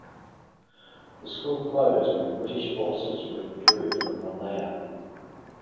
The school closed when British Forces withdrew from Malaya.